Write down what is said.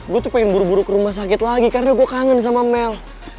gue tuh pengen buru buru ke rumah sakit lagi karena gue kangen sama mel